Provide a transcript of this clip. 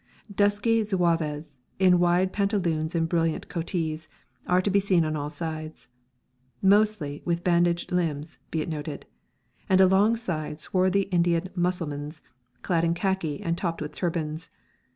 Dusky Zouaves, in wide pantaloons and brilliant coatees, are to be seen on all sides mostly with bandaged limbs, be it noted and alongside swarthy Indian Mussulmans, clad in khaki and topped with turbans.